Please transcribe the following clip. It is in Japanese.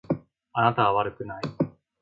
あなたは悪くない。